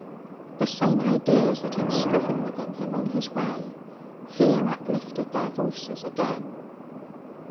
The same ideas that had striven within him on his way here uplifted their voices again.